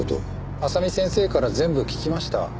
麻美先生から全部聞きました。